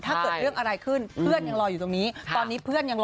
ล่าสุดของล่าสุด